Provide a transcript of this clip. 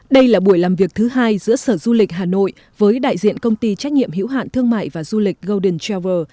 đây là buổi làm việc thứ hai giữa sở du lịch hà nội với đại diện công ty trách nhiệm hiểu hạn thương mại và du lịch golden travel